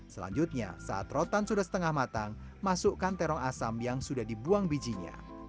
selanjutnya saat rotan sudah setengah matang masukkan terong asam yang sudah dibuang bijinya